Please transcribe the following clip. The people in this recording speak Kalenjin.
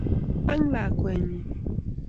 Ang lakwenyi?